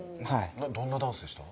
どんなダンスでした？